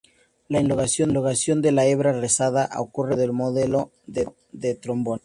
La elongación de la hebra rezagada ocurre por medio del modelo del trombón.